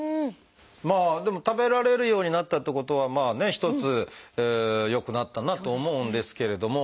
まあでも食べられるようになったってことはまあね一つ良くなったなと思うんですけれども